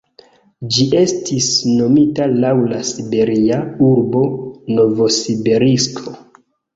Ĝi estis nomita laŭ la siberia urbo Novosibirsko.